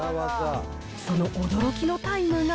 その驚きのタイムが。